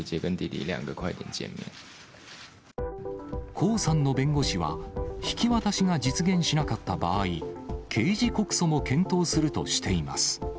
江さんの弁護士は、引き渡しが実現しなかった場合、刑事告訴も検討するとしています。